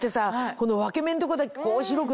この分け目のとこだけこう白くなって。